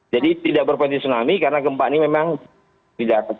jadi tidak berpeti tsunami karena gempa ini memang di darat